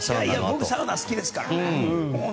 僕、サウナ好きですから。